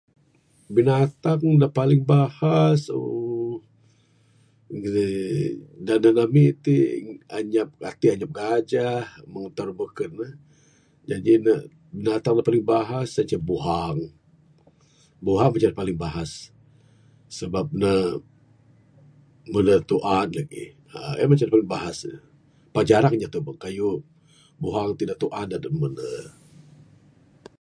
Binatang da paling bahas uhh. uhh Da namik tik, atik anyap gajah. Mung tarun bekun. Jaji ne binatang da paling bahas sien ceh buhang. Buhang ceh da paling bahas. Sebab ne mendu tu'an lagik. uhh En mah ceh da paling bahas. Pak jarang inya tebuk kayuh, buhang tik da tu'an dedup ne mendu.